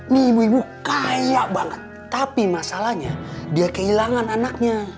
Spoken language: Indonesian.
nih ibu ibu kaya banget tapi masalahnya dia kehilangan anaknya